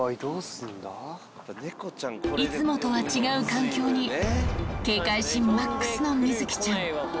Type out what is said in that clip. いつもとは違う環境に、警戒心マックスのみづきちゃん。